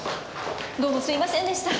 どうもすいませんでした。